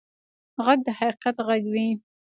غږ د حقیقت غږ وي